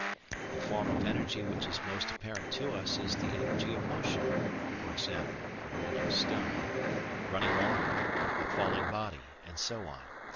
The form of energy which is most apparent to us is the energy of motion; for example, a rolling stone, running water, a falling body, and so on.